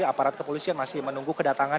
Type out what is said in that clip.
aparat kepolisian masih menunggu kedatangan